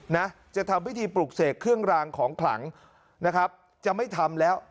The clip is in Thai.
นะจะทำพิธีปลุกเสกเครื่องรางของขลังนะครับจะไม่ทำแล้ว